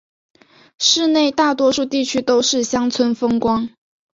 市内大多数地区都是乡村风光。